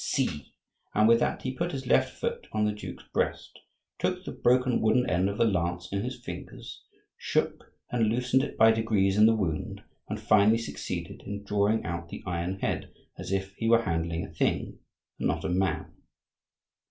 See!" And with that he put his left foot on the duke's breast, took the broken wooden end of the lance in his fingers, shook and loosened it by degrees in the wound, and finally succeeded in drawing out the iron head, as if he were handling a thing and not a man.